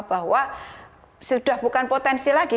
bahwa sudah bukan potensi lagi